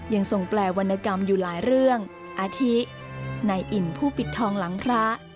ทรงแปลวรรณกรรมอยู่หลายเรื่องอาทิในอิ่นผู้ปิดทองหลังพระ